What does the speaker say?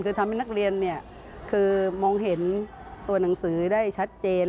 คือทำให้นักเรียนคือมองเห็นตัวหนังสือได้ชัดเจน